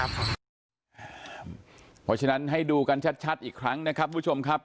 เพราะฉะนั้นให้ดูกันชัดอีกครั้งนะครับทุกผู้ชมครับ